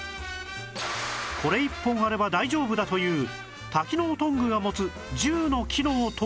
これ１本あれば大丈夫だという多機能トングが持つ１０の機能とは？